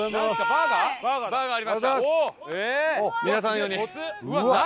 バーガーありました。